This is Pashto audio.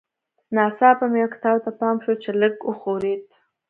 ناڅاپه مې یو کتاب ته پام شو چې لږ وښورېد